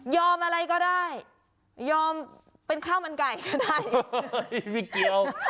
ยอมอะไรก็ได้ยอมเป็นข้าวมันไก่ก็ได้